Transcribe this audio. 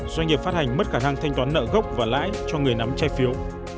doanh nghiệp phát hành mất khả năng thanh toán nợ gốc và lãi cho người nắm trái phiếu